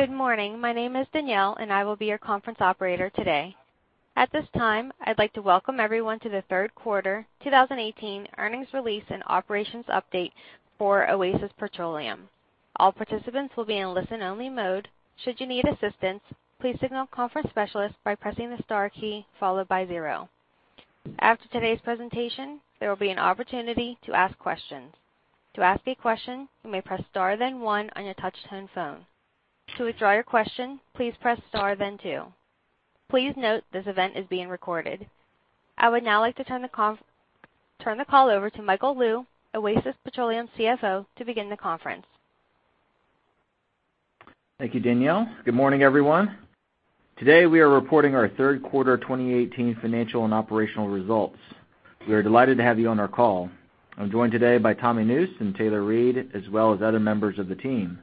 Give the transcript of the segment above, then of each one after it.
Good morning. My name is Danielle, and I will be your conference operator today. At this time, I'd like to welcome everyone to the third quarter 2018 earnings release and operations update for Oasis Petroleum. All participants will be in listen-only mode. Should you need assistance, please signal the conference specialist by pressing the star key, followed by 0. After today's presentation, there will be an opportunity to ask questions. To ask a question, you may press star, then 1 on your touch-tone phone. To withdraw your question, please press star, then 2. Please note, this event is being recorded. I would now like to turn the call over to Michael Lou, Oasis Petroleum's CFO, to begin the conference. Thank you, Danielle. Good morning, everyone. Today, we are reporting our third quarter 2018 financial and operational results. We are delighted to have you on our call. I'm joined today by Tommy Nusz and Taylor Reid, as well as other members of the team.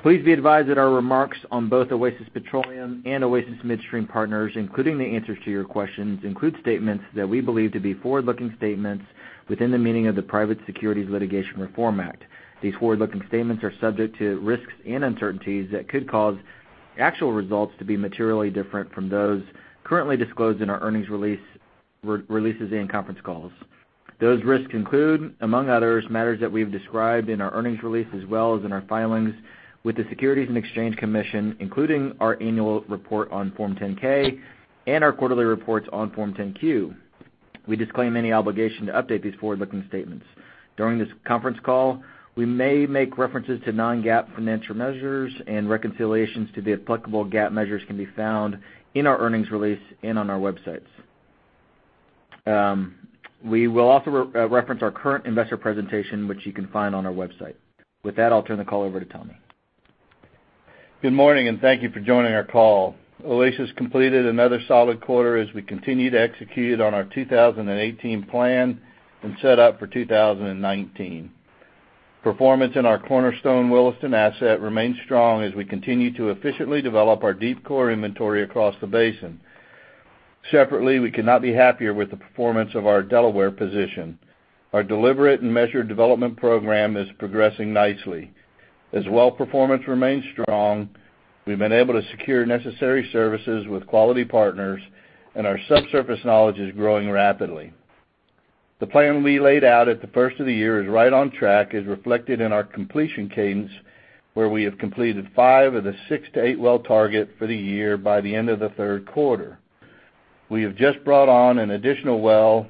Please be advised that our remarks on both Oasis Petroleum and Oasis Midstream Partners, including the answers to your questions, include statements that we believe to be forward-looking statements within the meaning of the Private Securities Litigation Reform Act. These forward-looking statements are subject to risks and uncertainties that could cause actual results to be materially different from those currently disclosed in our earnings releases and conference calls. Those risks include, among others, matters that we've described in our earnings release, as well as in our filings with the Securities and Exchange Commission, including our annual report on Form 10-K and our quarterly reports on Form 10-Q. We disclaim any obligation to update these forward-looking statements. During this conference call, we may make references to non-GAAP financial measures and reconciliations to the applicable GAAP measures can be found in our earnings release and on our websites. We will also reference our current investor presentation, which you can find on our website. With that, I'll turn the call over to Tommy. Good morning, and thank you for joining our call. Oasis completed another solid quarter as we continue to execute on our 2018 plan and set up for 2019. Performance in our cornerstone Williston asset remains strong as we continue to efficiently develop our deep core inventory across the basin. Separately, we could not be happier with the performance of our Delaware position. Our deliberate and measured development program is progressing nicely. As well performance remains strong, we've been able to secure necessary services with quality partners, and our subsurface knowledge is growing rapidly. The plan we laid out at the first of the year is right on track, as reflected in our completion cadence, where we have completed five of the six to eight well target for the year by the end of the third quarter. We have just brought on an additional well.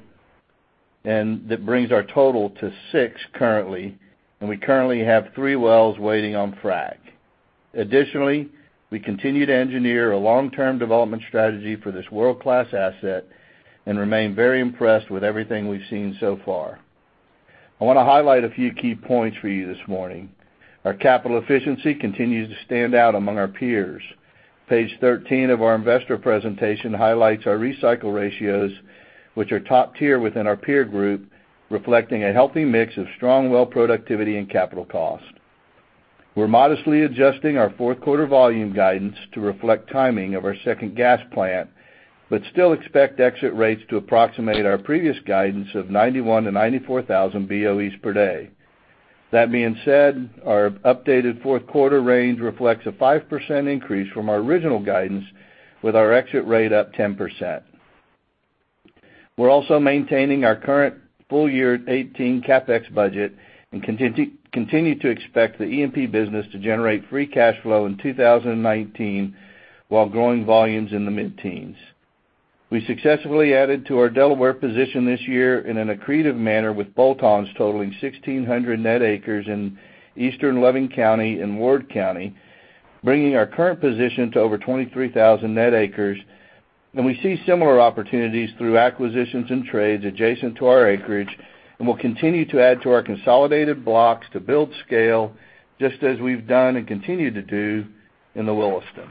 That brings our total to six currently. We currently have three wells waiting on frac. We continue to engineer a long-term development strategy for this world-class asset and remain very impressed with everything we've seen so far. I want to highlight a few key points for you this morning. Our capital efficiency continues to stand out among our peers. Page 13 of our investor presentation highlights our recycle ratios, which are top tier within our peer group, reflecting a healthy mix of strong well productivity and capital cost. We're modestly adjusting our fourth quarter volume guidance to reflect timing of our second gas plant, but still expect exit rates to approximate our previous guidance of 91,000 to 94,000 BOEs per day. That being said, our updated fourth quarter range reflects a 5% increase from our original guidance, with our exit rate up 10%. We're also maintaining our current full year 2018 CapEx budget and continue to expect the E&P business to generate free cash flow in 2019 while growing volumes in the mid-teens. We successfully added to our Delaware position this year in an accretive manner with bolt-ons totaling 1,600 net acres in eastern Loving County and Ward County, bringing our current position to over 23,000 net acres. We see similar opportunities through acquisitions and trades adjacent to our acreage and will continue to add to our consolidated blocks to build scale, just as we've done and continue to do in the Williston.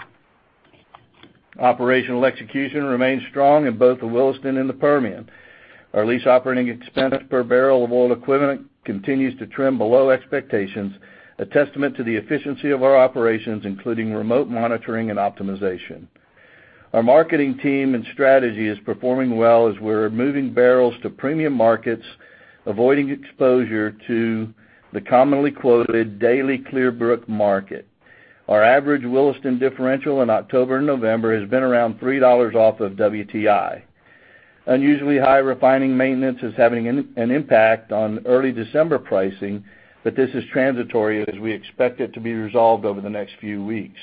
Operational execution remains strong in both the Williston and the Permian. Our lease operating expense per barrel of oil equivalent continues to trend below expectations, a testament to the efficiency of our operations, including remote monitoring and optimization. Our marketing team and strategy is performing well as we're moving barrels to premium markets, avoiding exposure to the commonly quoted Daily Clearbrook market. Our average Williston differential in October and November has been around $3 off of WTI. This is transitory as we expect it to be resolved over the next few weeks.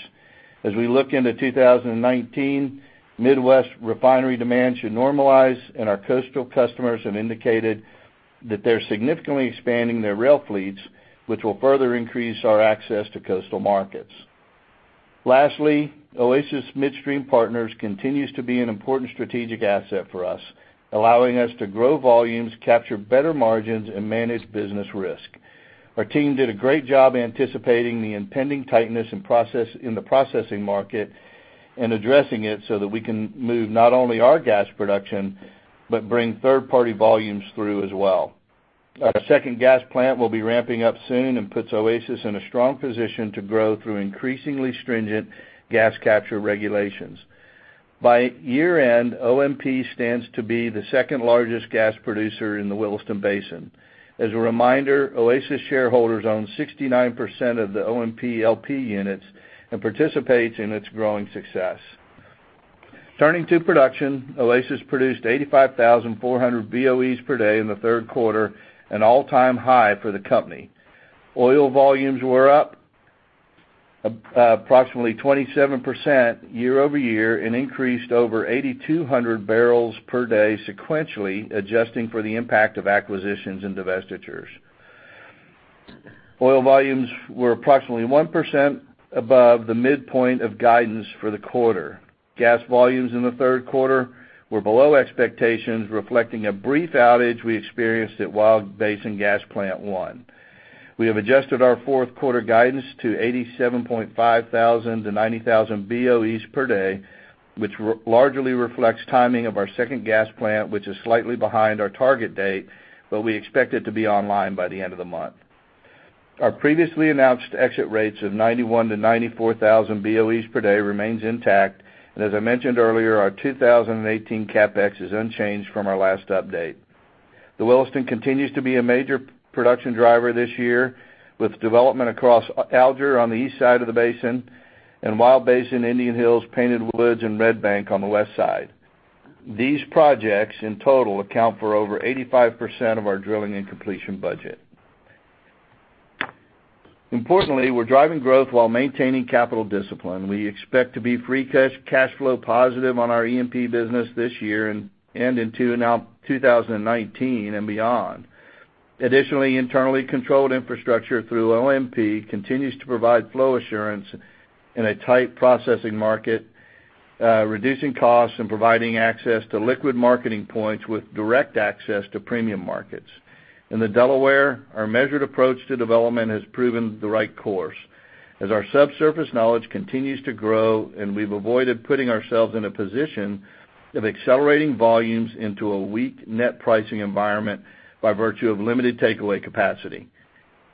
We look into 2019, Midwest refinery demand should normalize. Our coastal customers have indicated that they're significantly expanding their rail fleets, which will further increase our access to coastal markets. Lastly, Oasis Midstream Partners continues to be an important strategic asset for us, allowing us to grow volumes, capture better margins, and manage business risk. Our team did a great job anticipating the impending tightness in the processing market and addressing it so that we can move not only our gas production, but bring third-party volumes through as well. Our second gas plant will be ramping up soon and puts Oasis in a strong position to grow through increasingly stringent gas capture regulations. By year-end, OMP stands to be the second largest gas producer in the Williston Basin. As a reminder, Oasis shareholders own 69% of the OMP LP units and participates in its growing success. Turning to production, Oasis produced 85,400 BOEs per day in the third quarter, an all-time high for the company. Oil volumes were up approximately 27% year-over-year and increased over 8,200 barrels per day sequentially, adjusting for the impact of acquisitions and divestitures. Oil volumes were approximately 1% above the midpoint of guidance for the quarter. Gas volumes in the third quarter were below expectations, reflecting a brief outage we experienced at Wild Basin Gas Plant 1. We have adjusted our fourth quarter guidance to 87,500 to 90,000 BOEs per day, which largely reflects timing of our second gas plant, which is slightly behind our target date, but we expect it to be online by the end of the month. Our previously announced exit rates of 91,000 to 94,000 BOEs per day remains intact. As I mentioned earlier, our 2018 CapEx is unchanged from our last update. The Williston continues to be a major production driver this year, with development across Alger on the east side of the basin and Wild Basin, Indian Hills, Painted Woods, and Red Bank on the west side. These projects in total account for over 85% of our drilling and completion budget. Importantly, we're driving growth while maintaining capital discipline. We expect to be free cash flow positive on our E&P business this year and into 2019 and beyond. Internally controlled infrastructure through OMP continues to provide flow assurance in a tight processing market, reducing costs and providing access to liquid marketing points with direct access to premium markets. In the Delaware, our measured approach to development has proven the right course as our subsurface knowledge continues to grow. We've avoided putting ourselves in a position of accelerating volumes into a weak net pricing environment by virtue of limited takeaway capacity.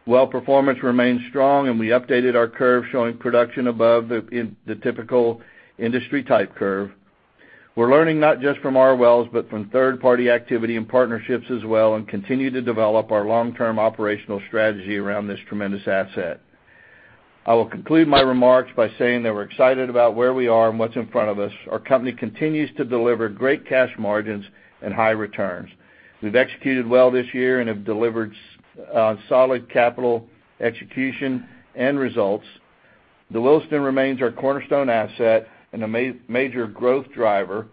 Well performance remains strong. We updated our curve showing production above the typical industry type curve. We're learning not just from our wells, but from third-party activity and partnerships as well and continue to develop our long-term operational strategy around this tremendous asset. I will conclude my remarks by saying that we're excited about where we are and what's in front of us. Our company continues to deliver great cash margins and high returns. We've executed well this year and have delivered solid capital execution and results. The Williston remains our cornerstone asset and a major growth driver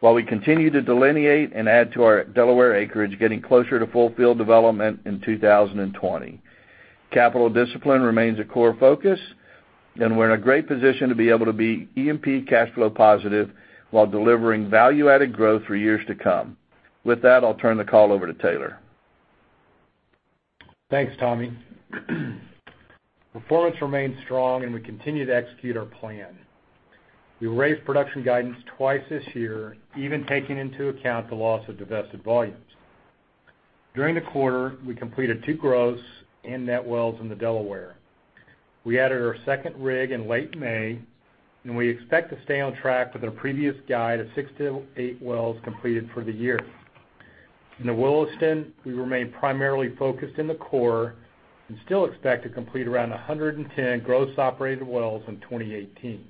while we continue to delineate and add to our Delaware acreage, getting closer to full field development in 2020. Capital discipline remains a core focus. We're in a great position to be able to be E&P cash flow positive while delivering value-added growth for years to come. With that, I'll turn the call over to Taylor. Thanks, Tommy. Performance remains strong. We continue to execute our plan. We raised production guidance twice this year, even taking into account the loss of divested volumes. During the quarter, we completed two gross in-net wells in the Delaware. We added our second rig in late May. We expect to stay on track with our previous guide of six to eight wells completed for the year. In the Williston, we remain primarily focused in the core and still expect to complete around 110 gross operated wells in 2018.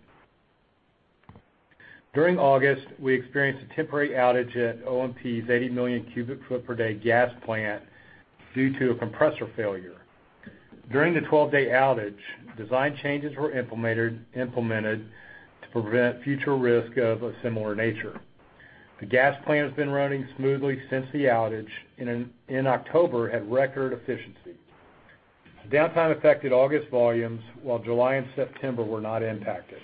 During August, we experienced a temporary outage at OMP's 80 million cubic foot per day gas plant due to a compressor failure. During the 12-day outage, design changes were implemented to prevent future risk of a similar nature. The gas plant has been running smoothly since the outage. In October, had record efficiency. The downtime affected August volumes, while July and September were not impacted.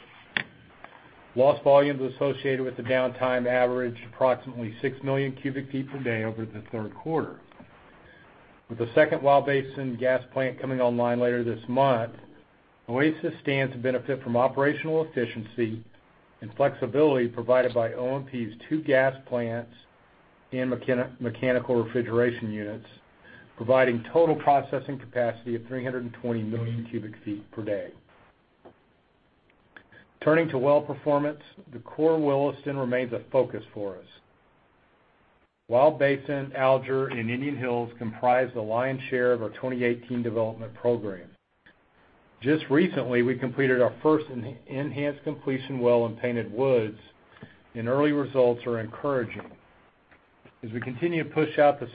Lost volumes associated with the downtime averaged approximately six million cubic feet per day over the third quarter. With the second Wild Basin gas plant coming online later this month, Oasis stands to benefit from operational efficiency and flexibility provided by OMP's two gas plants and mechanical refrigeration units, providing total processing capacity of 320 million cubic feet per day. Turning to well performance, the core Williston remains a focus for us. Wild Basin, Alger, and Indian Hills comprise the lion's share of our 2018 development program. Just recently, we completed our first enhanced completion well in Painted Woods. Early results are encouraging. As we continue to push out of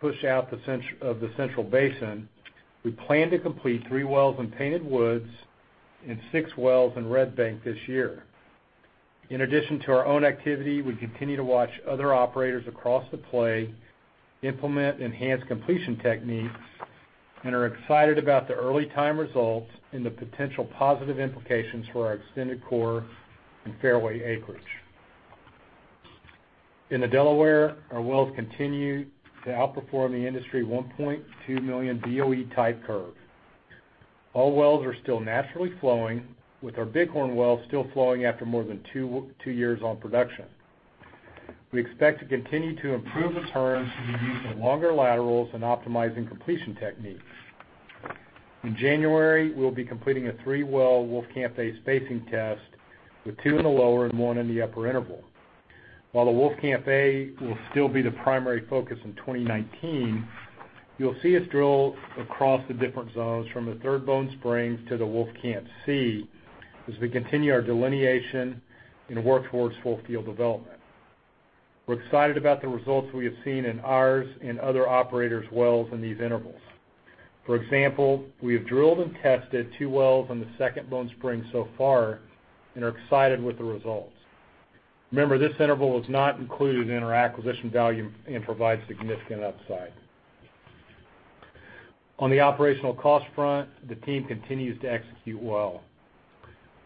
the Central Basin, we plan to complete three wells in Painted Woods and six wells in Red Bank this year. In addition to our own activity, we continue to watch other operators across the play implement enhanced completion techniques and are excited about the early time results and the potential positive implications for our extended core in fairway acreage. In the Delaware, our wells continue to outperform the industry 1.2 million BOE type curve. All wells are still naturally flowing, with our Bighorn well still flowing after more than two years on production. We expect to continue to improve the turns through the use of longer laterals and optimizing completion techniques. In January, we will be completing a three-well Wolfcamp A spacing test with two in the lower and one in the upper interval. While the Wolfcamp A will still be the primary focus in 2019, you will see us drill across the different zones from the Third Bone Spring to the Wolfcamp C as we continue our delineation and work towards full field development. We are excited about the results we have seen in ours and other operators' wells in these intervals. For example, we have drilled and tested two wells on the Second Bone Spring so far and are excited with the results. Remember, this interval is not included in our acquisition value and provides significant upside. On the operational cost front, the team continues to execute well.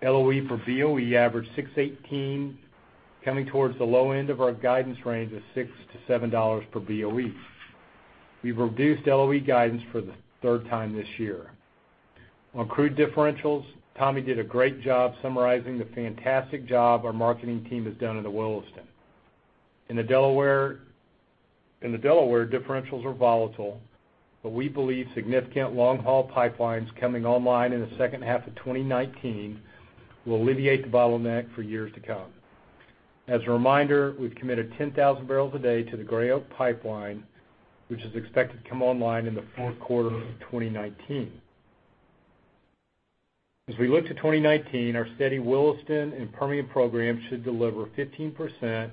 LOE for BOE averaged $6.18, coming towards the low end of our guidance range of $6-$7 per BOE. We have reduced LOE guidance for the third time this year. On crude differentials, Tommy did a great job summarizing the fantastic job our marketing team has done in the Williston. In the Delaware, differentials are volatile, but we believe significant long-haul pipelines coming online in the second half of 2019 will alleviate the bottleneck for years to come. As a reminder, we've committed 10,000 barrels a day to the Gray Oak Pipeline, which is expected to come online in the fourth quarter of 2019. As we look to 2019, our steady Williston and Permian programs should deliver 15%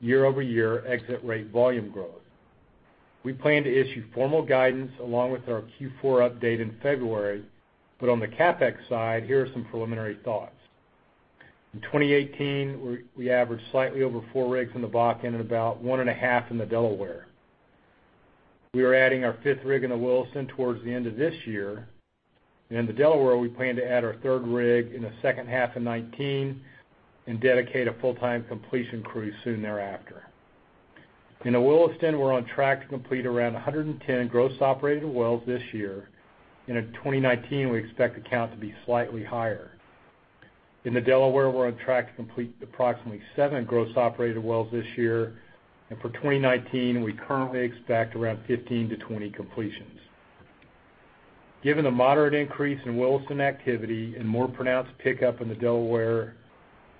year-over-year exit rate volume growth. We plan to issue formal guidance along with our Q4 update in February, but on the CapEx side, here are some preliminary thoughts. In 2018, we averaged slightly over four rigs in the Bakken and about one and a half in the Delaware. We are adding our fifth rig in the Williston towards the end of this year. In the Delaware, we plan to add our third rig in the second half of 2019 and dedicate a full-time completion crew soon thereafter. In the Williston, we're on track to complete around 110 gross operated wells this year. In 2019, we expect the count to be slightly higher. In the Delaware, we're on track to complete approximately seven gross operated wells this year, and for 2019, we currently expect around 15 to 20 completions. Given the moderate increase in Williston activity and more pronounced pickup in the Delaware,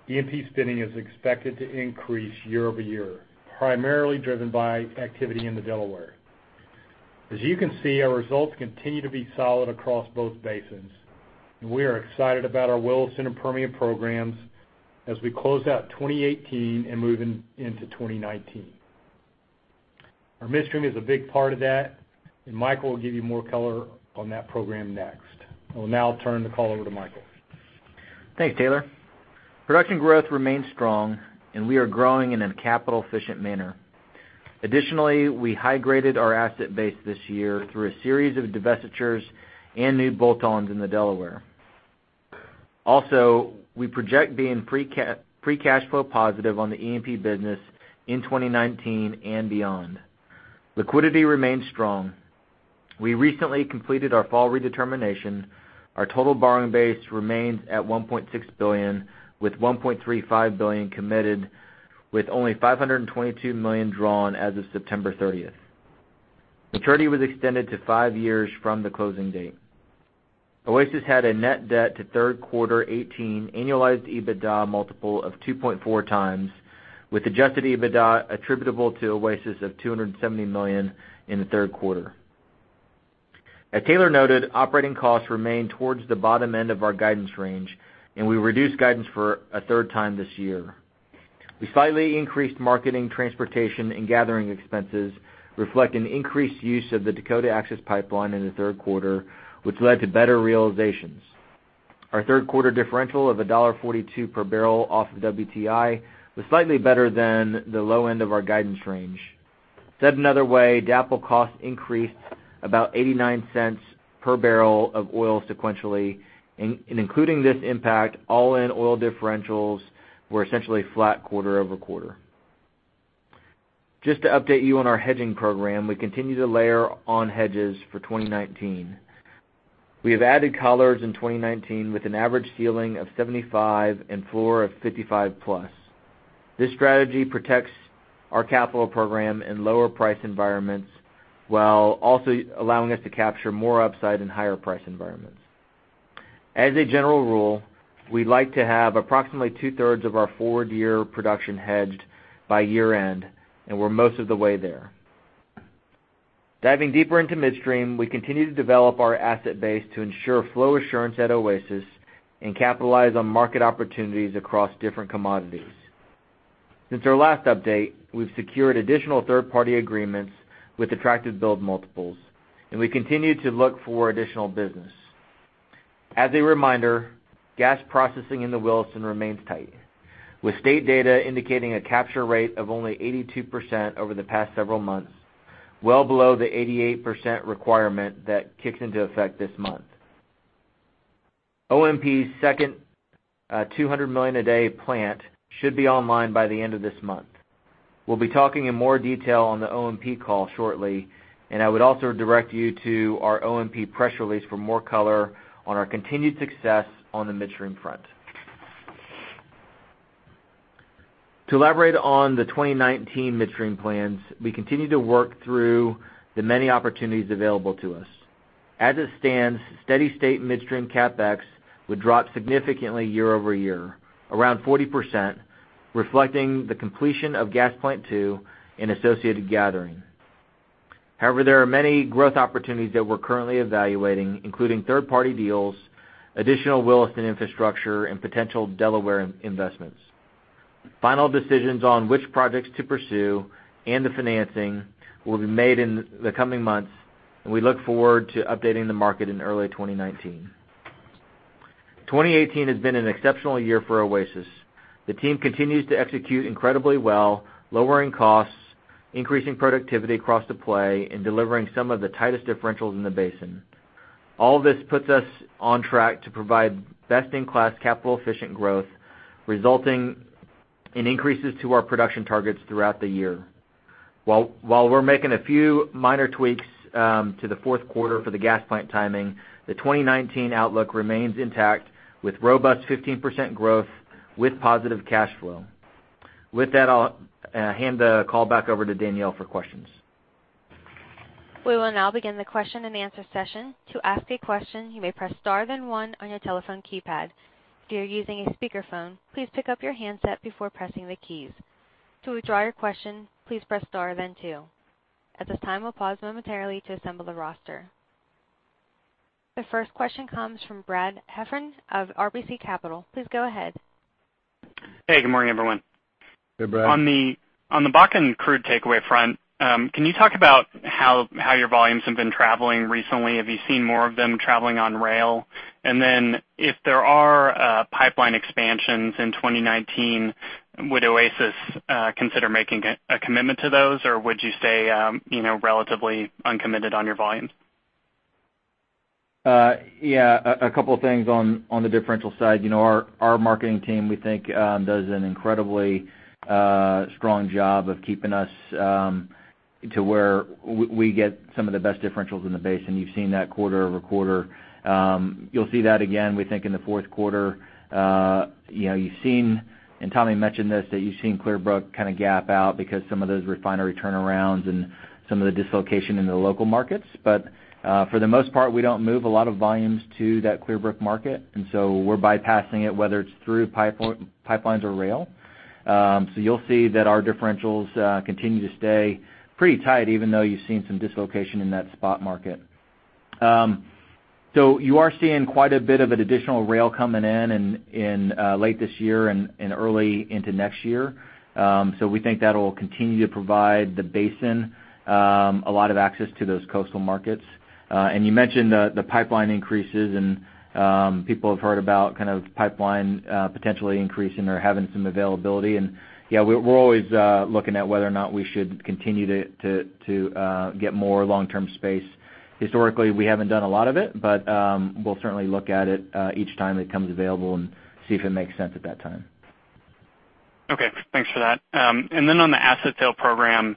E&P spending is expected to increase year-over-year, primarily driven by activity in the Delaware. As you can see, our results continue to be solid across both basins, we are excited about our Williston and Permian programs as we close out 2018 and move into 2019. Our midstream is a big part of that, and Michael will give you more color on that program next. I will now turn the call over to Michael. Thanks, Taylor. Production growth remains strong, we are growing in a capital-efficient manner. Additionally, we high-graded our asset base this year through a series of divestitures and new bolt-ons in the Delaware. Also, we project being free cash flow positive on the E&P business in 2019 and beyond. Liquidity remains strong. We recently completed our fall redetermination. Our total borrowing base remains at $1.6 billion, with $1.35 billion committed, with only $522 million drawn as of September 30th. Maturity was extended to five years from the closing date. Oasis had a net debt to third quarter 2018 annualized EBITDA multiple of 2.4 times, with adjusted EBITDA attributable to Oasis of $270 million in the third quarter. As Taylor noted, operating costs remain towards the bottom end of our guidance range, and we reduced guidance for a third time this year. We slightly increased marketing, transportation, and gathering expenses, reflecting increased use of the Dakota Access Pipeline in the third quarter, which led to better realizations. Our third quarter differential of $1.42 per barrel off of WTI was slightly better than the low end of our guidance range. Said another way, DAPL costs increased about $0.89 per barrel of oil sequentially, and including this impact, all-in oil differentials were essentially flat quarter-over-quarter. Just to update you on our hedging program, we continue to layer on hedges for 2019. We have added collars in 2019 with an average ceiling of $75 and floor of $55-plus. This strategy protects our capital program in lower price environments while also allowing us to capture more upside in higher price environments. As a general rule, we'd like to have approximately two-thirds of our forward-year production hedged by year-end, and we're most of the way there. Diving deeper into midstream, we continue to develop our asset base to ensure flow assurance at Oasis and capitalize on market opportunities across different commodities. Since our last update, we've secured additional third-party agreements with attractive build multiples, and we continue to look for additional business. As a reminder, gas processing in the Williston remains tight, with state data indicating a capture rate of only 82% over the past several months, well below the 88% requirement that kicks into effect this month. OMP's second 200 million a day plant should be online by the end of this month. We'll be talking in more detail on the OMP call shortly. I would also direct you to our OMP press release for more color on our continued success on the midstream front. To elaborate on the 2019 midstream plans, we continue to work through the many opportunities available to us. As it stands, steady state midstream CapEx would drop significantly year-over-year, around 40%, reflecting the completion of gas plant 2 and associated gathering. There are many growth opportunities that we're currently evaluating, including third-party deals, additional Williston infrastructure, and potential Delaware investments. Final decisions on which projects to pursue and the financing will be made in the coming months, and we look forward to updating the market in early 2019. 2018 has been an exceptional year for Oasis. The team continues to execute incredibly well, lowering costs, increasing productivity across the play, and delivering some of the tightest differentials in the basin. All this puts us on track to provide best-in-class capital efficient growth, resulting in increases to our production targets throughout the year. While we're making a few minor tweaks to the fourth quarter for the gas plant timing, the 2019 outlook remains intact with robust 15% growth with positive cash flow. With that, I'll hand the call back over to Danielle for questions. We will now begin the question and answer session. To ask a question, you may press star then one on your telephone keypad. If you're using a speakerphone, please pick up your handset before pressing the keys. To withdraw your question, please press star then two. At this time, we will pause momentarily to assemble the roster. The first question comes from Brad Heffern of RBC Capital. Please go ahead. Hey, good morning, everyone. Hey, Brad. On the Bakken crude takeaway front, can you talk about how your volumes have been traveling recently? Have you seen more of them traveling on rail? If there are pipeline expansions in 2019, would Oasis consider making a commitment to those, or would you stay relatively uncommitted on your volumes? Yeah. A couple things on the differential side. Our marketing team, we think, does an incredibly strong job of keeping us to where we get some of the best differentials in the basin. You've seen that quarter-over-quarter. You'll see that again, we think, in the fourth quarter. You've seen, and Tommy mentioned this, that you've seen Clearbrook kind of gap out because some of those refinery turnarounds and some of the dislocation in the local markets. For the most part, we don't move a lot of volumes to that Clearbrook market, we're bypassing it, whether it's through pipelines or rail. You'll see that our differentials continue to stay pretty tight, even though you've seen some dislocation in that spot market. You are seeing quite a bit of an additional rail coming in late this year and early into next year. We think that'll continue to provide the basin a lot of access to those coastal markets. You mentioned the pipeline increases, people have heard about pipeline potentially increasing or having some availability. Yeah, we're always looking at whether or not we should continue to get more long-term space. Historically, we haven't done a lot of it, we'll certainly look at it each time it comes available and see if it makes sense at that time. Okay. Thanks for that. On the asset sale program,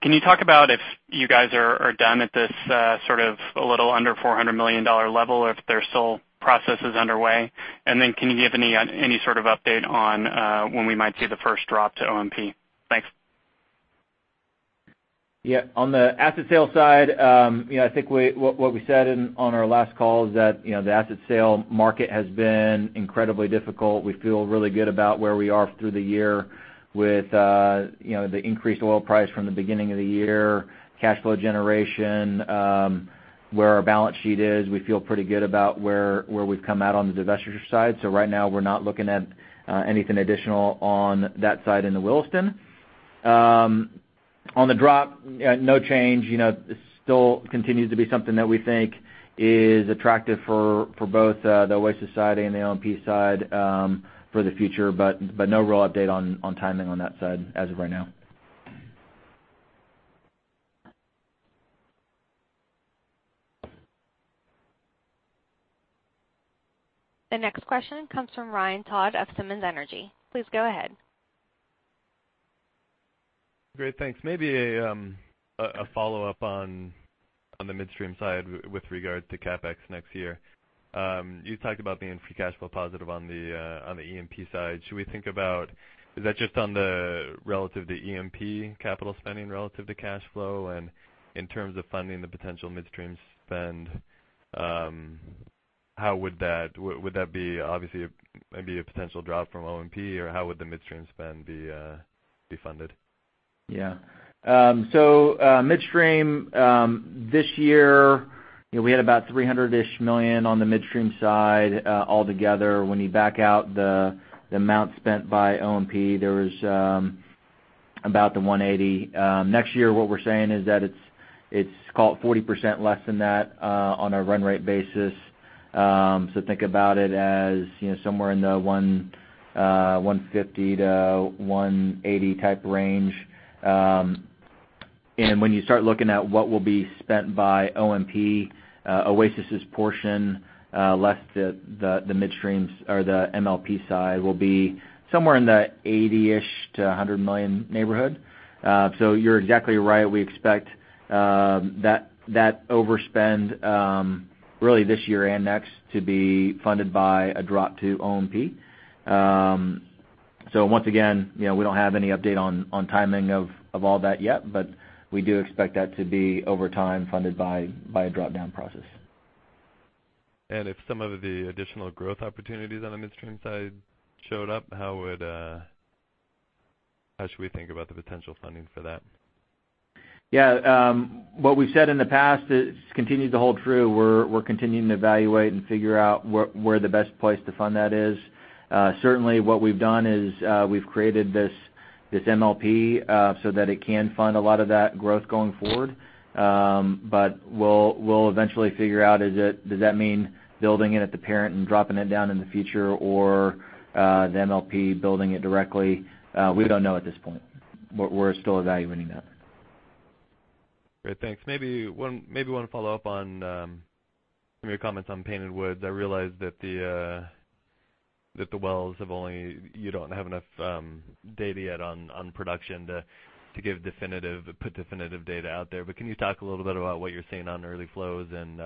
can you talk about if you guys are done at this a little under $400 million level, or if there still processes underway? Can you give any sort of update on when we might see the first drop to OMP? Thanks. Yeah. On the asset sale side, I think what we said on our last call is that the asset sale market has been incredibly difficult. We feel really good about where we are through the year with the increased oil price from the beginning of the year, cash flow generation, where our balance sheet is. We feel pretty good about where we've come out on the divestiture side. Right now, we're not looking at anything additional on that side in the Williston. On the drop, no change. It still continues to be something that we think is attractive for both the Oasis side and the OMP side for the future. No real update on timing on that side as of right now. The next question comes from Ryan Todd of Simmons Energy. Please go ahead. Great. Thanks. Maybe a follow-up on the midstream side with regards to CapEx next year. You talked about being free cash flow positive on the E&P side. Is that just on the relative to E&P capital spending relative to cash flow? In terms of funding the potential midstream spend, would that be obviously maybe a potential drop from OMP, or how would the midstream spend be funded? Yeah. Midstream this year, we had about $300 million on the midstream side all together. When you back out the amount spent by OMP, there was about the $180 million. Next year, what we're saying is that it's call it 40% less than that on a run rate basis. Think about it as somewhere in the $150 million-$180 million type range. When you start looking at what will be spent by OMP, Oasis' portion less the midstreams or the MLP side will be somewhere in the $80 million-$100 million neighborhood. You're exactly right. We expect that overspend really this year and next to be funded by a drop to OMP. Once again, we don't have any update on timing of all that yet, but we do expect that to be over time funded by a drop-down process. If some of the additional growth opportunities on the midstream side showed up, how should we think about the potential funding for that? Yeah. What we've said in the past has continued to hold true. We're continuing to evaluate and figure out where the best place to fund that is. Certainly, what we've done is, we've created this MLP so that it can fund a lot of that growth going forward. We'll eventually figure out, does that mean building it at the parent and dropping it down in the future, or the MLP building it directly? We don't know at this point. We're still evaluating that. Great. Thanks. Maybe one follow-up on some of your comments on Painted Woods. I realize that the wells have only you don't have enough data yet on production to put definitive data out there. Can you talk a little bit about what you're seeing on early flows and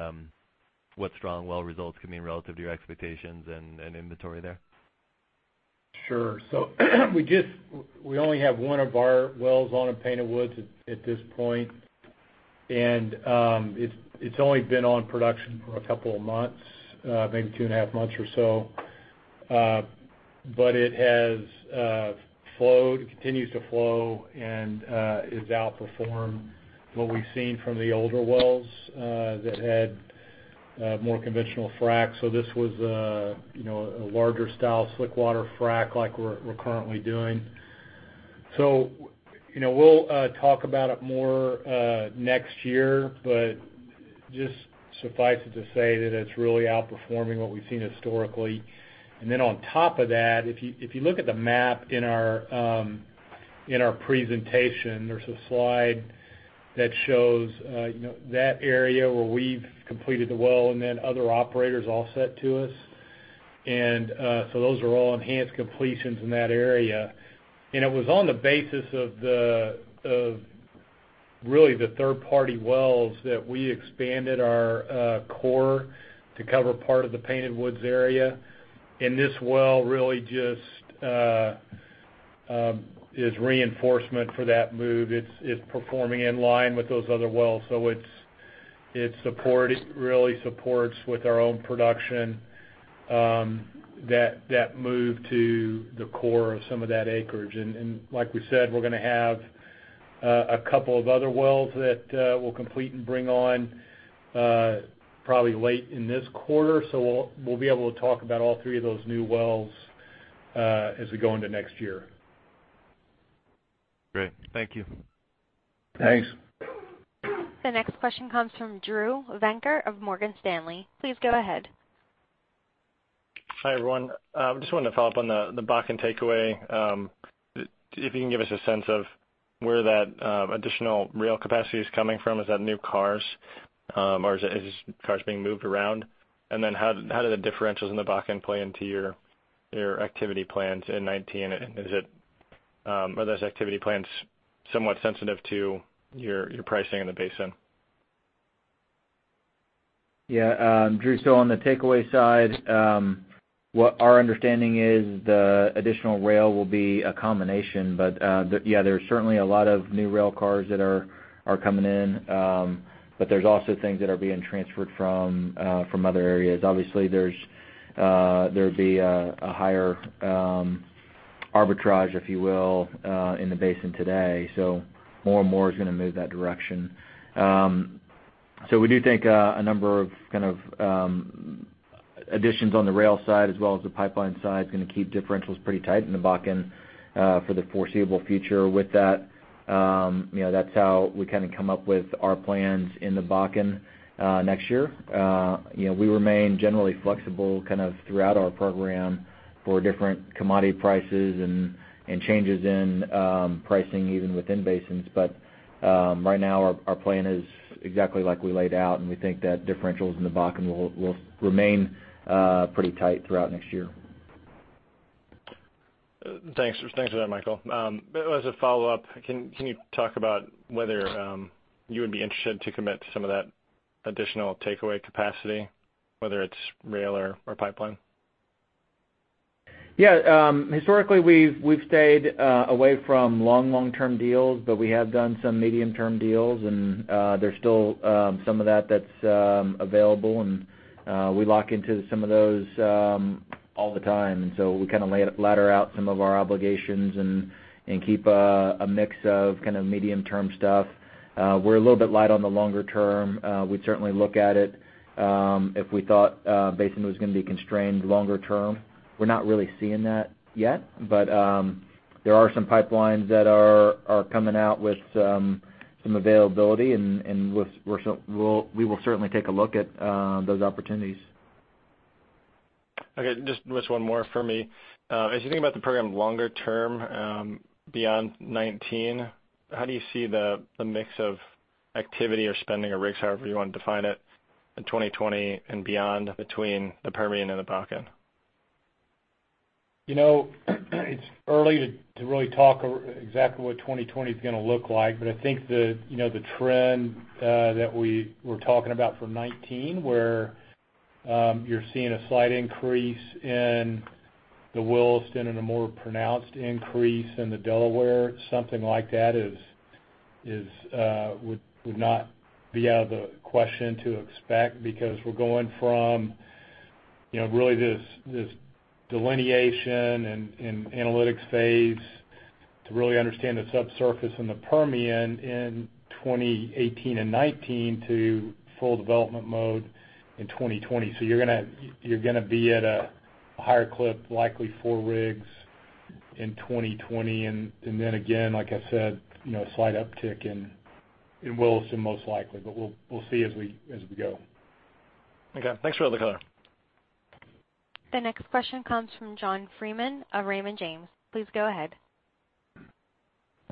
what strong well results could mean relative to your expectations and inventory there? Sure. We only have one of our wells on in Painted Woods at this point, and it's only been on production for a couple of months, maybe two and a half months or so. It has flowed, continues to flow, and has outperformed what we've seen from the older wells that had more conventional fracs. This was a larger style slick water frac like we're currently doing. We'll talk about it more next year, but just suffice it to say that it's really outperforming what we've seen historically. On top of that, if you look at the map in our presentation, there's a slide that shows that area where we've completed the well and then other operators offset to us. Those are all enhanced completions in that area. It was on the basis of really the third-party wells that we expanded our core to cover part of the Painted Woods area. This well really just is reinforcement for that move. It's performing in line with those other wells. It really supports with our own production that move to the core of some of that acreage. Like we said, we're going to have a couple of other wells that we'll complete and bring on probably late in this quarter. We'll be able to talk about all three of those new wells as we go into next year. Great. Thank you. Thanks. The next question comes from Drew Venker of Morgan Stanley. Please go ahead. Hi, everyone. Just wanted to follow up on the Bakken takeaway. If you can give us a sense of where that additional rail capacity is coming from. Is that new cars, or is it cars being moved around? How do the differentials in the Bakken play into your activity plans in 2019? Are those activity plans somewhat sensitive to your pricing in the basin? Yeah. Drew, on the takeaway side, what our understanding is the additional rail will be a combination, there's certainly a lot of new rail cars that are coming in. There's also things that are being transferred from other areas. Obviously, there'd be a higher arbitrage, if you will, in the basin today. More and more is going to move that direction. We do think a number of additions on the rail side as well as the pipeline side is going to keep differentials pretty tight in the Bakken for the foreseeable future. With that's how we come up with our plans in the Bakken next year. We remain generally flexible throughout our program for different commodity prices and changes in pricing even within basins. Right now, our plan is exactly like we laid out, and we think that differentials in the Bakken will remain pretty tight throughout next year. Thanks for that, Michael. As a follow-up, can you talk about whether you would be interested to commit to some of that additional takeaway capacity, whether it's rail or pipeline? Historically, we've stayed away from long, long-term deals, we have done some medium-term deals, and there's still some of that that's available, and we lock into some of those all the time. We ladder out some of our obligations and keep a mix of medium-term stuff. We're a little bit light on the longer term. We'd certainly look at it if we thought the basin was going to be constrained longer term. We're not really seeing that yet. There are some pipelines that are coming out with some availability, and we will certainly take a look at those opportunities. Just one more from me. As you think about the program longer term, beyond 2019, how do you see the mix of activity or spending or rigs, however you want to define it, in 2020 and beyond between the Permian and the Bakken? It's early to really talk exactly what 2020's going to look like, I think the trend that we're talking about for 2019, where you're seeing a slight increase in the Williston and a more pronounced increase in the Delaware, something like that would not be out of the question to expect because we're going from really this delineation and analytics phase to really understand the subsurface in the Permian in 2018 and 2019 to full development mode in 2020. You're going to be at a higher clip, likely four rigs in 2020, and then again, like I said, a slight uptick in Williston most likely, we'll see as we go. Okay. Thanks for all the color. The next question comes from John Freeman of Raymond James. Please go ahead.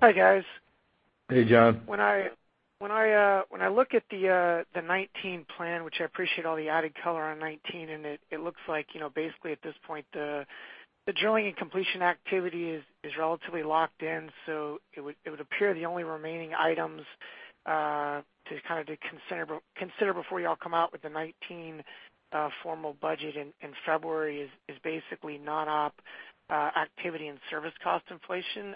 Hi, guys. Hey, John. I look at the 2019 plan, which I appreciate all the added color on 2019. It looks like, basically at this point, the drilling and completion activity is relatively locked in. It would appear the only remaining items to consider before you all come out with the 2019 formal budget in February is non-op activity and service cost inflation.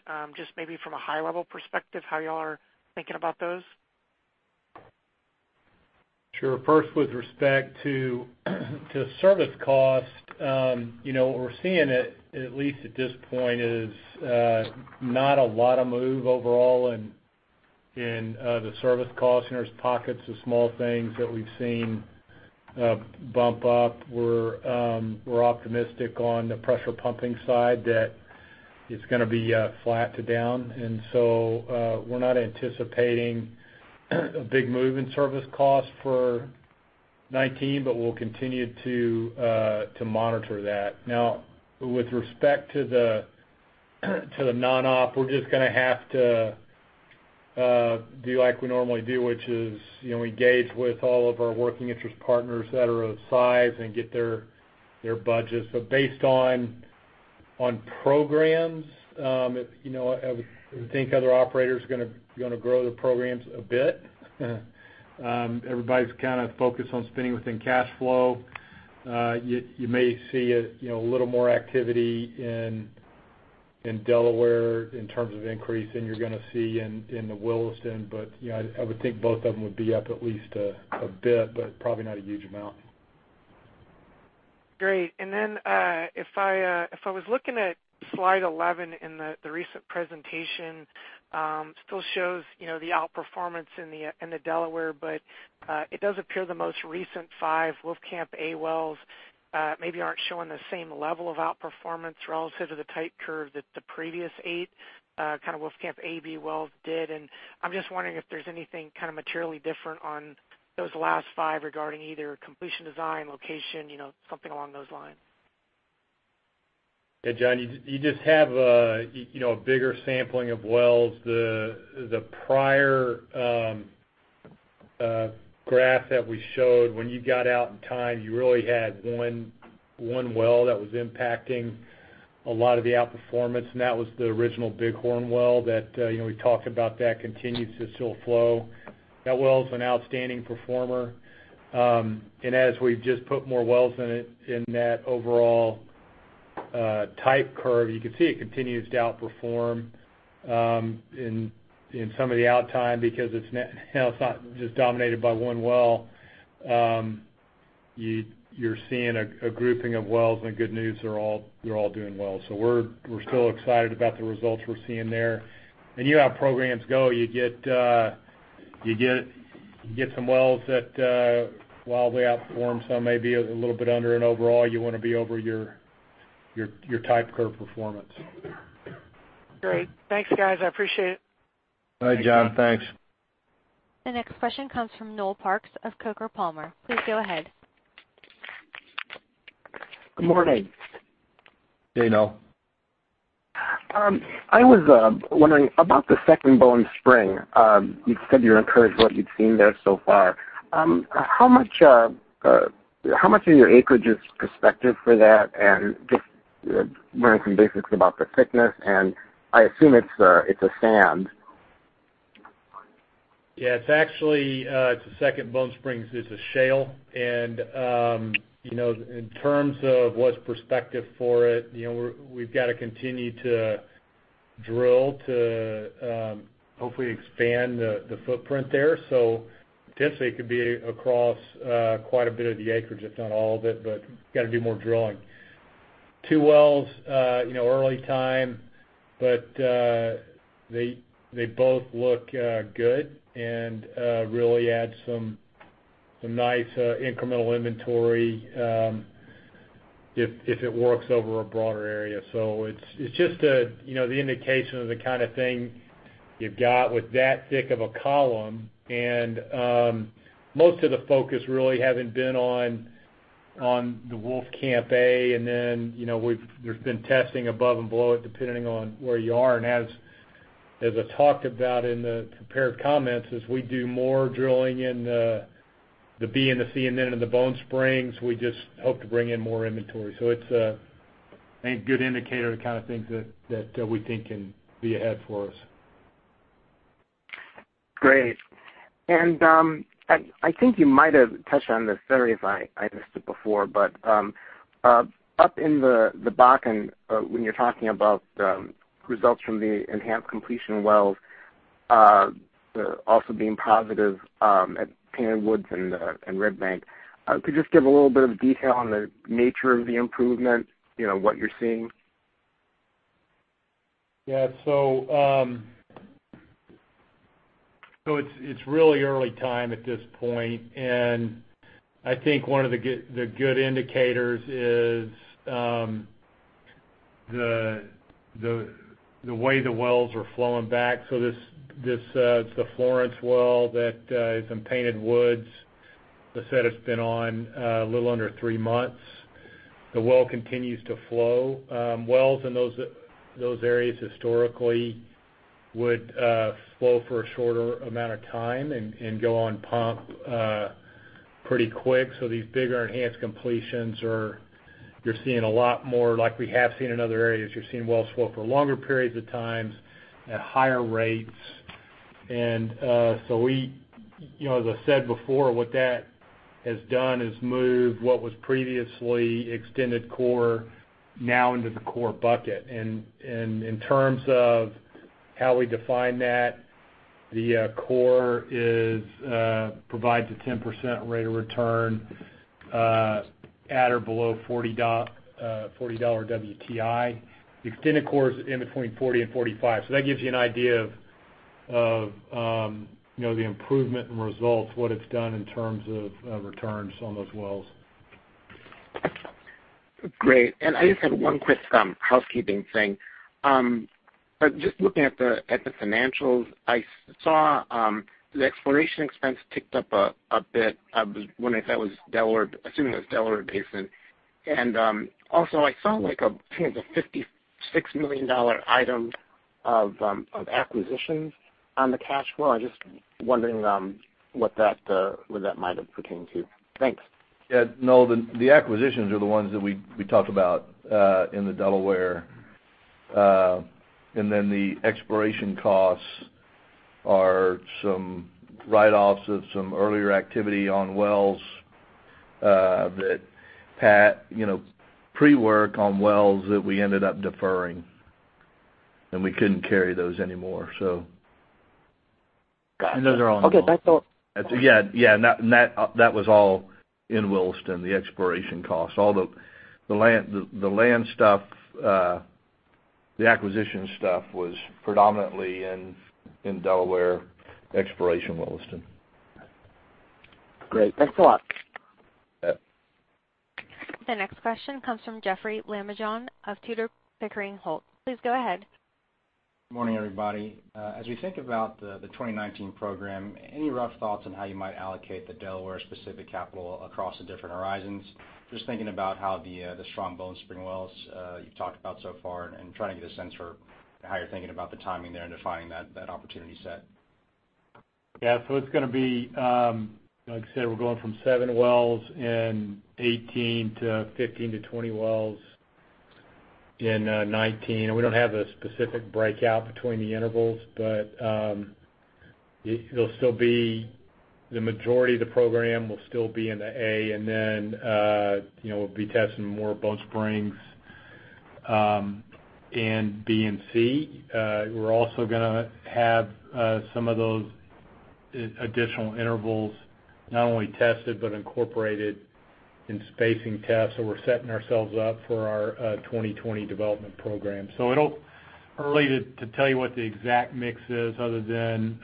Maybe from a high-level perspective, how you all are thinking about those? Sure. First, with respect to service cost, what we're seeing, at least at this point, is not a lot of move overall in the service cost. There's pockets of small things that we've seen bump up. We're optimistic on the pressure pumping side that it's going to be flat to down. We're not anticipating a big move in service cost for 2019, but we'll continue to monitor that. With respect to the non-op, we're going to have to do like we normally do, which is, engage with all of our working interest partners that are of size and get their budgets. Based on programs, I would think other operators are going to grow their programs a bit. Everybody's focused on spending within cash flow. You may see a little more activity in Delaware in terms of increase than you're going to see in the Williston. I would think both of them would be up at least a bit, but probably not a huge amount. Great. Then, if I was looking at slide 11 in the recent presentation, still shows the outperformance in the Delaware, but it does appear the most recent five Wolfcamp A wells maybe aren't showing the same level of outperformance relative to the type curve that the previous eight Wolfcamp A/B wells did. I'm just wondering if there's anything materially different on those last five regarding either completion design, location, something along those lines. Yeah, John, you just have a bigger sampling of wells. The prior graph that we showed, when you got out in time, you really had one well that was impacting a lot of the outperformance, and that was the original Bighorn well that we talked about, that continues to still flow. That well's an outstanding performer. As we've just put more wells in that overall type curve, you can see it continues to outperform in some of the out time because it's not just dominated by one well. You're seeing a grouping of wells, the good news, they're all doing well. We're still excited about the results we're seeing there. You have programs go, you get some wells that wildly outperform some, maybe a little bit under, and overall, you want to be over your type curve performance. Great. Thanks, guys. I appreciate it. All right, John. Thanks. The next question comes from Noel Parks of Coker & Palmer. Please go ahead. Good morning. Hey, Noel. I was wondering about the Second Bone Spring. You said you were encouraged what you'd seen there so far. How much of your acreage is prospective for that? Just learn some basics about the thickness, and I assume it's a sand. It's actually, the Second Bone Spring is a shale. In terms of what's prospective for it, we've got to continue to drill to hopefully expand the footprint there. Potentially, it could be across quite a bit of the acreage, if not all of it, but got to do more drilling. Two wells, early time, but they both look good and really add some nice incremental inventory if it works over a broader area. It's just the indication of the kind of thing you've got with that thick of a column, and most of the focus really having been on the Wolfcamp A, and then there's been testing above and below it, depending on where you are. As I talked about in the prepared comments, as we do more drilling in the B and the C, and then in the Bone Spring, we just hope to bring in more inventory. It's a good indicator of the kind of things that we think can be ahead for us. Great. I think you might have touched on this, sorry if I missed it before, up in the Bakken, when you're talking about the results from the enhanced completion wells also being positive at Painted Woods and Red Bank, could you just give a little bit of detail on the nature of the improvement, what you're seeing? It's really early time at this point, and I think one of the good indicators is the way the wells are flowing back. This, it's the Florence well that is in Painted Woods. I said it's been on a little under three months. The well continues to flow. Wells in those areas historically would flow for a shorter amount of time and go on pump pretty quick. These bigger enhanced completions are, you're seeing a lot more, like we have seen in other areas, you're seeing wells flow for longer periods of times at higher rates. We, as I said before, what that has done is moved what was previously extended core now into the core bucket. In terms of how we define that, the core provides a 10% rate of return at or below $40 WTI. The extended core is in between 40 and 45. That gives you an idea of the improvement in results, what it's done in terms of returns on those wells. Great. I just had one quick housekeeping thing. Looking at the financials, I saw the exploration expense ticked up a bit. I was wondering if that was Delaware, assuming it was Delaware Basin. Also I saw like a $56 million item of acquisitions on the cash flow. I'm just wondering what that might have pertained to. Thanks. Yeah, no, the acquisitions are the ones that we talked about in the Delaware. Then the exploration costs are some write-offs of some earlier activity on wells that Pre-work on wells that we ended up deferring, and we couldn't carry those anymore. Got it. Those are all in- Okay. That's all. Yeah. That was all in Williston, the exploration cost. All the land stuff, the acquisition stuff was predominantly in Delaware exploration, Williston. Great. Thanks a lot. Yeah. The next question comes from Jeoffrey Lambujon of Tudor, Pickering, Holt. Please go ahead. Morning, everybody. As we think about the 2019 program, any rough thoughts on how you might allocate the Delaware specific capital across the different horizons? Just thinking about how the strong Bone Spring wells you've talked about so far and trying to get a sense for how you're thinking about the timing there and defining that opportunity set. Yeah. It's going to be, like I said, we're going from seven wells in 2018 to 15-20 wells in 2019. We don't have a specific breakout between the intervals. The majority of the program will still be in the A, then we'll be testing more Bone Spring in B and C. We're also going to have some of those additional intervals, not only tested, but incorporated in spacing tests. We're setting ourselves up for our 2020 development program. It'll Early to tell you what the exact mix is other than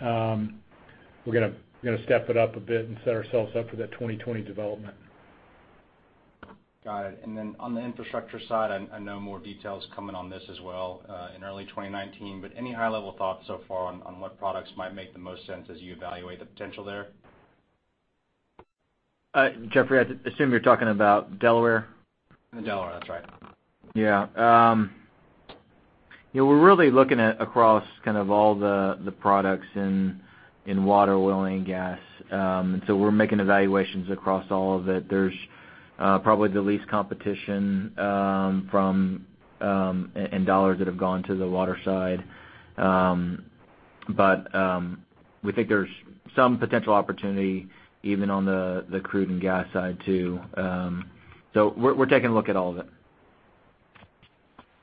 we're going to step it up a bit and set ourselves up for that 2020 development. Got it. On the infrastructure side, I know more details coming on this as well in early 2019, any high level thoughts so far on what products might make the most sense as you evaluate the potential there? Jeoffrey, I assume you're talking about Delaware? Delaware. That's right. Yeah. We're really looking at across all the products in water, oil, and gas. We're making evaluations across all of it. There's probably the least competition from, and dollars that have gone to the water side. We think there's some potential opportunity even on the crude and gas side, too. We're taking a look at all of it.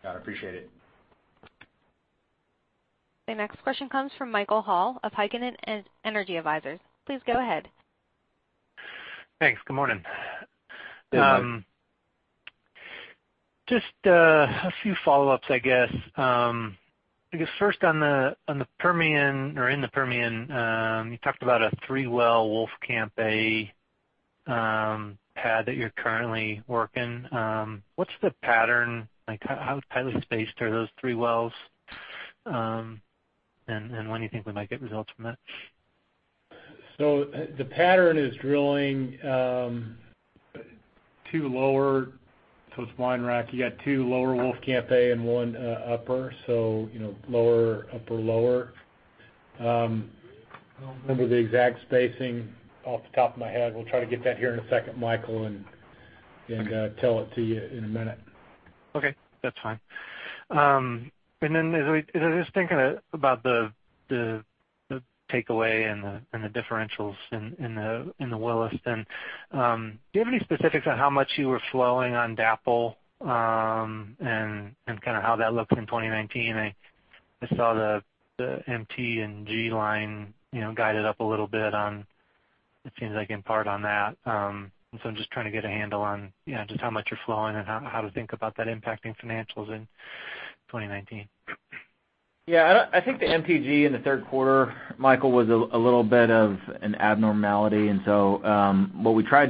Got it. Appreciate it. The next question comes from Michael Hall of Heikkinen Energy Advisors. Please go ahead. Thanks. Good morning. Good morning. Just a few follow-ups, I guess. I guess first on the Permian, or in the Permian, you talked about a three-well Wolfcamp A pad that you're currently working. What's the pattern? How tightly spaced are those three wells? When do you think we might get results from that? The pattern is drilling two lower towards Wine Rack. You got two lower Wolfcamp A and one upper. Lower, upper, lower. I don't remember the exact spacing off the top of my head. We'll try to get that here in a second, Michael, and tell it to you in a minute. Okay, that's fine. As I was thinking about the takeaway and the differentials in the Williston, do you have any specifics on how much you were flowing on DAPL, and how that looked in 2019? I saw the MTG line guided up a little bit on, it seems like, in part on that. I'm just trying to get a handle on just how much you're flowing and how to think about that impacting financials in 2019. Yeah, I think the MTG in the third quarter, Michael, was a little bit of an abnormality. What we tried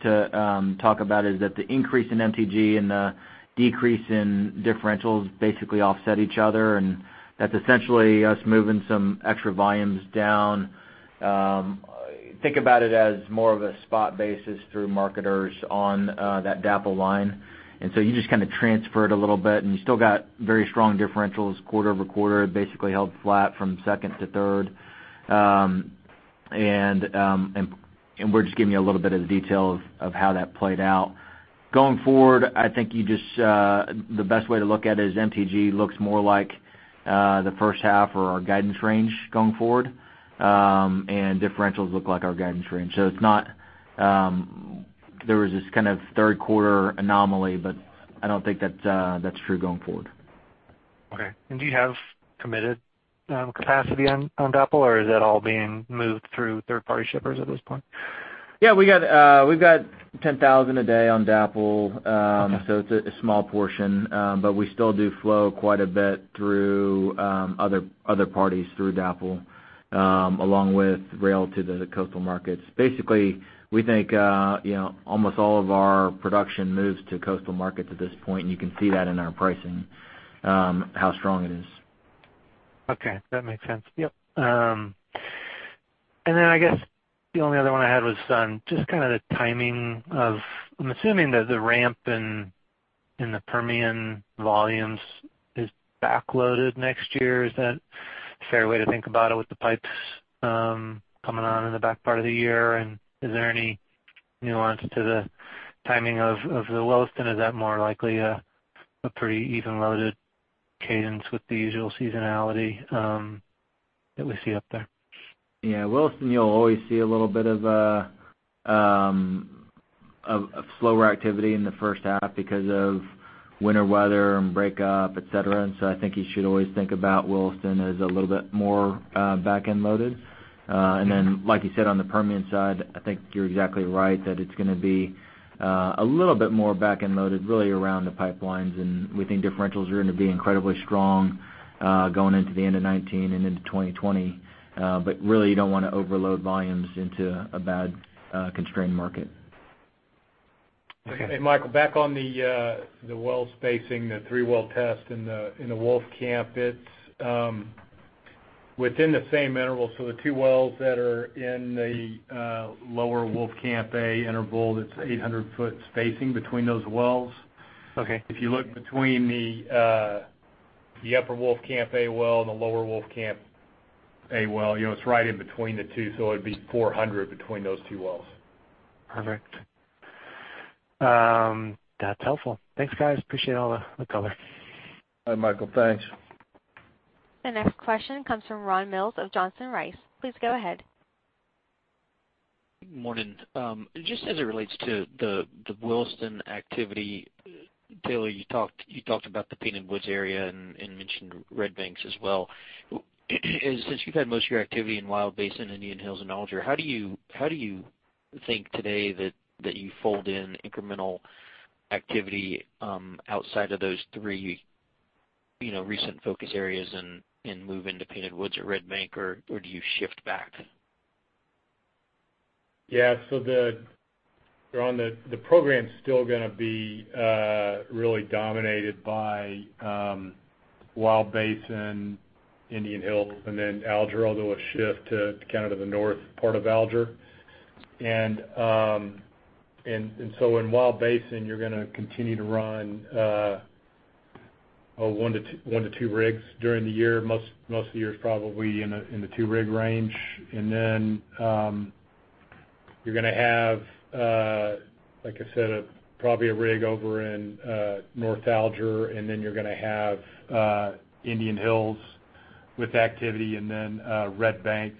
to talk about is that the increase in MTG and the decrease in differentials basically offset each other. That's essentially us moving some extra volumes down. Think about it as more of a spot basis through marketers on that DAPL line. You just transfer it a little bit, and you still got very strong differentials quarter-over-quarter. It basically held flat from second to third. We're just giving you a little bit of the detail of how that played out. Going forward, I think the best way to look at it is MTG looks more like the first half or our guidance range going forward. Differentials look like our guidance range. There was this third quarter anomaly, I don't think that's true going forward. Okay. Do you have committed capacity on DAPL, or is that all being moved through third-party shippers at this point? Yeah, we've got 10,000 a day on DAPL. Okay. It's a small portion. We still do flow quite a bit through other parties through DAPL, along with rail to the coastal markets. Basically, we think almost all of our production moves to coastal markets at this point, and you can see that in our pricing, how strong it is. Okay. That makes sense. Yep. I guess the only other one I had was on just the timing of I'm assuming that the ramp in the Permian volumes is back-loaded next year. Is that a fair way to think about it with the pipes coming on in the back part of the year, is there any nuance to the timing of the Williston? Is that more likely a pretty even-loaded cadence with the usual seasonality that we see up there? Yeah. Williston, you'll always see a little bit of slower activity in the first half because of winter weather and breakup, et cetera. I think you should always think about Williston as a little bit more back-end loaded. Like you said, on the Permian side, I think you're exactly right that it's going to be a little bit more back-end loaded, really around the pipelines. We think differentials are going to be incredibly strong going into the end of 2019 and into 2020. Really, you don't want to overload volumes into a bad constrained market. Okay. Michael, back on the well spacing, the three-well test in the Wolfcamp, it's within the same interval. The two wells that are in the lower Wolfcamp A interval, that's 800-foot spacing between those wells. Okay. If you look between the upper Wolfcamp A well and the lower Wolfcamp A well, it's right in between the two. It would be 400 between those two wells. Perfect. That's helpful. Thanks, guys. Appreciate all the color. All right, Michael. Thanks. The next question comes from Ron Mills of Johnson Rice. Please go ahead. Good morning. Just as it relates to the Williston activity, Taylor, you talked about the Painted Woods area and mentioned Red Bank as well. Since you've had most of your activity in Wild Basin, Indian Hills, and Alger, how do you think today that you fold in incremental activity outside of those three recent focus areas and move into Painted Woods or Red Bank, or do you shift back? Yeah. Ron, the program's still going to be really dominated by Wild Basin, Indian Hills, and then Alger, although a shift to the north part of Alger. In Wild Basin, you're going to continue to run one to two rigs during the year. Most of the year is probably in the two-rig range. You're going to have, like I said, probably a rig over in North Alger, Indian Hills with activity, Red Bank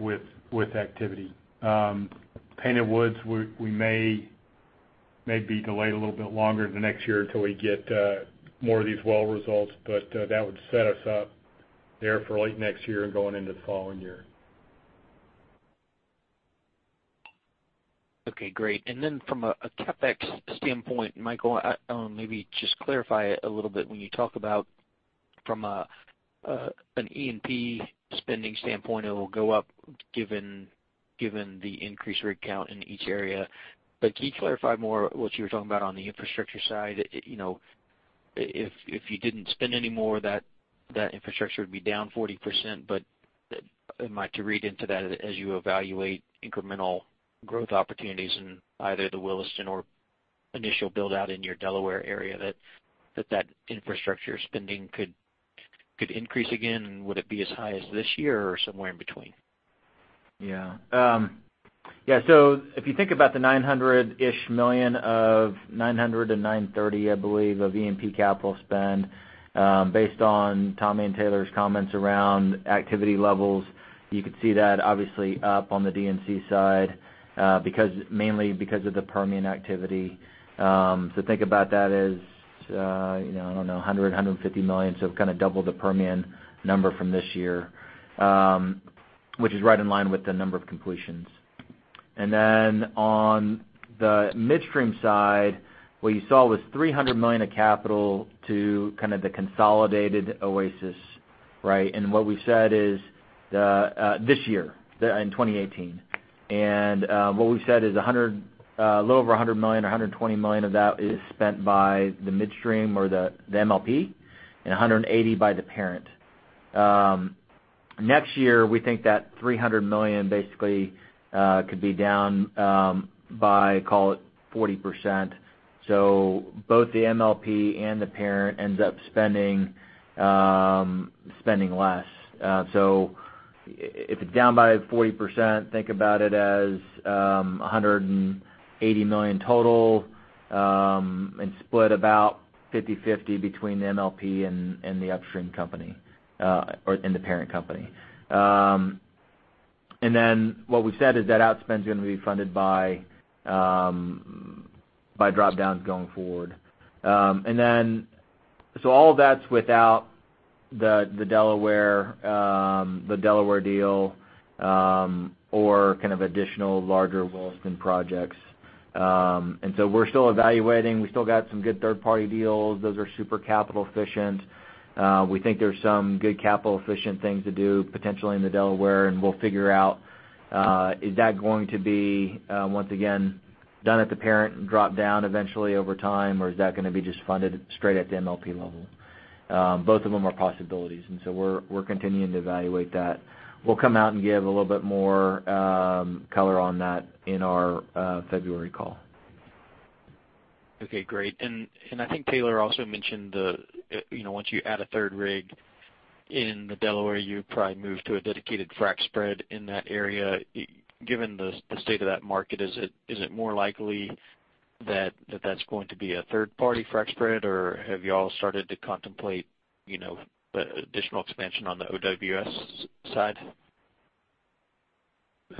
with activity. Painted Woods, we may be delayed a little bit longer into next year until we get more of these well results, but that would set us up there for late next year and going into the following year. From a CapEx standpoint, Michael, maybe just clarify it a little bit when you talk about from an E&P spending standpoint, it will go up given the increased rig count in each area. Can you clarify more what you were talking about on the infrastructure side? If you didn't spend any more, that infrastructure would be down 40%, but am I to read into that as you evaluate incremental growth opportunities in either the Williston or initial build-out in your Delaware area, that that infrastructure spending could increase again? Would it be as high as this year or somewhere in between? Yeah. If you think about the $900 million-ish of $900 million to $930 million, I believe, of E&P capital spend, based on Tommy and Taylor's comments around activity levels, you could see that obviously up on the D&C side mainly because of the Permian activity. Think about that as, I don't know, $100 million-$150 million, so kind of double the Permian number from this year, which is right in line with the number of completions. On the midstream side, what you saw was $300 million of capital to kind of the consolidated Oasis. What we said is, this year, in 2018. What we've said is a little over $100 million or $120 million of that is spent by the midstream or the MLP, and $180 million by the parent. We think that $300 million basically could be down by, call it, 40%. Both the MLP and the parent ends up spending less. If it's down by 40%, think about it as $180 million total, and split about 50-50 between the MLP and the upstream company, or in the parent company. What we've said is that outspend's going to be funded by drop-downs going forward. All of that's without the Delaware deal, or kind of additional larger Williston projects. We're still evaluating. We still got some good third-party deals. Those are super capital efficient. We think there's some good capital efficient things to do potentially in the Delaware, and we'll figure out, is that going to be, once again, done at the parent and dropped down eventually over time, or is that going to be just funded straight at the MLP level? Both of them are possibilities, we're continuing to evaluate that. We'll come out and give a little bit more color on that in our February call. Okay, great. I think Taylor also mentioned once you add a third rig in the Delaware, you would probably move to a dedicated frac spread in that area. Given the state of that market, is it more likely that that's going to be a third-party frac spread, or have you all started to contemplate additional expansion on the OWS side?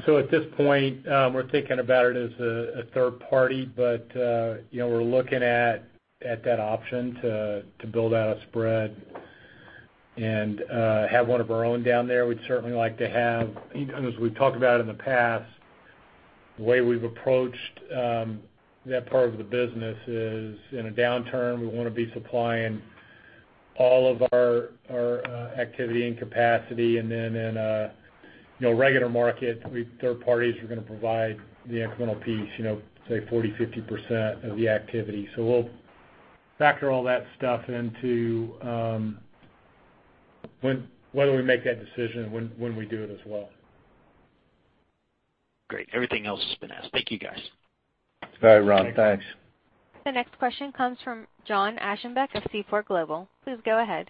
At this point, we're thinking about it as a third party, but we're looking at that option to build out a spread and have one of our own down there. We'd certainly like to have. As we've talked about in the past, the way we've approached that part of the business is in a downturn, we want to be supplying all of our activity and capacity, and then in a regular market, third parties are going to provide the incremental piece, say 40%-50% of the activity. We'll factor all that stuff into when we make that decision and when we do it as well. Great. Everything else has been asked. Thank you, guys. All right, Ron. Thanks. The next question comes from John Augustyniak of Seaport Global. Please go ahead.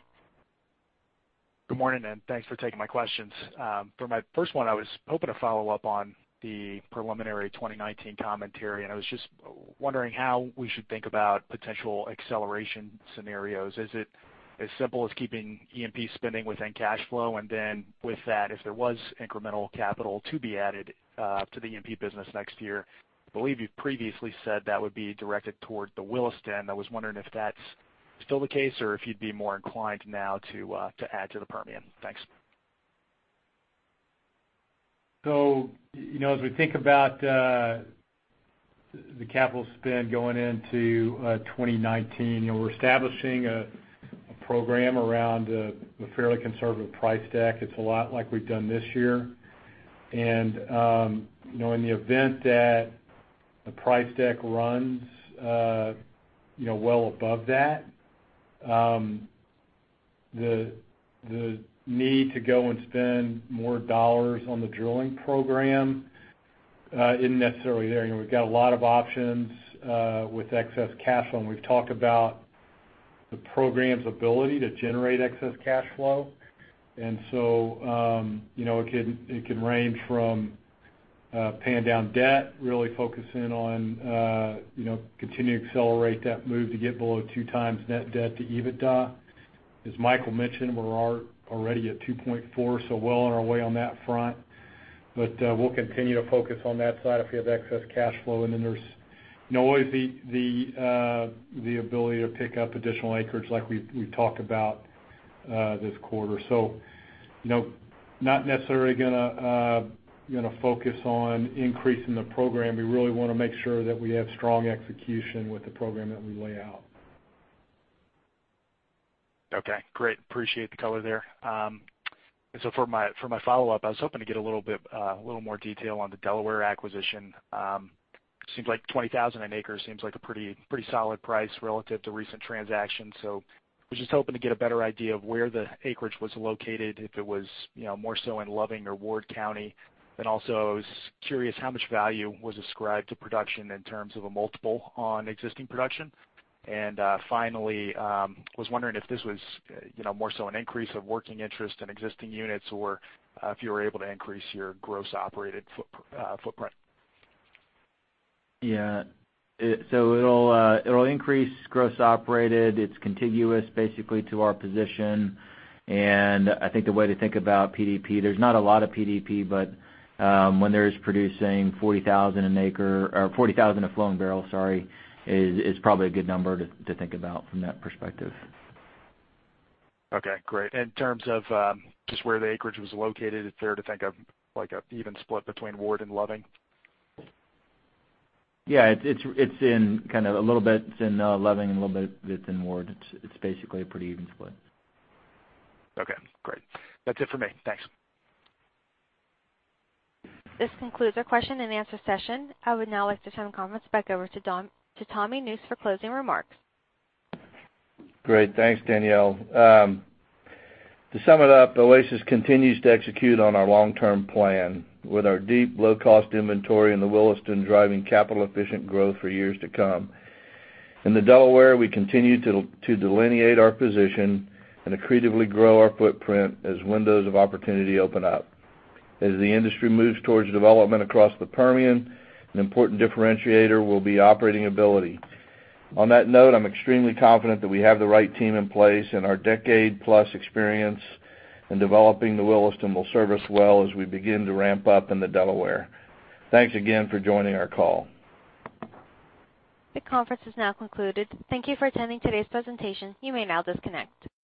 Good morning, thanks for taking my questions. For my first one, I was hoping to follow up on the preliminary 2019 commentary, and I was just wondering how we should think about potential acceleration scenarios. Is it as simple as keeping E&P spending within cash flow, and then with that, if there was incremental capital to be added to the E&P business next year, I believe you previously said that would be directed toward the Williston. I was wondering if that's still the case, or if you'd be more inclined now to add to the Permian. Thanks. As we think about the capital spend going into 2019, we're establishing a program around a fairly conservative price deck. It's a lot like we've done this year. In the event that the price deck runs well above that, the need to go and spend more dollars on the drilling program isn't necessarily there. We've got a lot of options with excess cash flow, and we've talked about the program's ability to generate excess cash flow. It can range from paying down debt, really focusing on continuing to accelerate that move to get below two times net debt to EBITDA. As Michael mentioned, we're already at 2.4, well on our way on that front. We'll continue to focus on that side if we have excess cash flow. There's always the ability to pick up additional acreage like we've talked about this quarter. Not necessarily going to focus on increasing the program. We really want to make sure that we have strong execution with the program that we lay out. Okay, great. Appreciate the color there. For my follow-up, I was hoping to get a little more detail on the Delaware acquisition. Seems like 20,000 an acre seems like a pretty solid price relative to recent transactions. I was just hoping to get a better idea of where the acreage was located, if it was more so in Loving or Ward County. Also, I was curious how much value was ascribed to production in terms of a multiple on existing production. Finally, I was wondering if this was more so an increase of working interest in existing units or if you were able to increase your gross operated footprint. Yeah. It'll increase gross operated. It's contiguous basically to our position. I think the way to think about PDP, there's not a lot of PDP, but when there's producing 40,000 an acre or 40,000 a flowing barrel, sorry, is probably a good number to think about from that perspective. Okay, great. In terms of just where the acreage was located, is it fair to think of like an even split between Ward and Loving? Yeah, it's a little bit in Loving and a little bit in Ward. It's basically a pretty even split. Okay, great. That's it for me. Thanks. This concludes our question and answer session. I would now like to turn the conference back over to Thomas Nusz for closing remarks. Great. Thanks, Danielle. To sum it up, Oasis continues to execute on our long-term plan with our deep low-cost inventory in the Williston, driving capital efficient growth for years to come. In the Delaware, we continue to delineate our position and accretively grow our footprint as windows of opportunity open up. As the industry moves towards development across the Permian, an important differentiator will be operating ability. On that note, I'm extremely confident that we have the right team in place, and our decade plus experience in developing the Williston will serve us well as we begin to ramp up in the Delaware. Thanks again for joining our call. The conference has now concluded. Thank you for attending today's presentation. You may now disconnect.